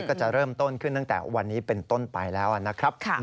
ก็จะเริ่มต้นขึ้นตั้งแต่วันนี้เป็นต้นไปแล้วนะครับ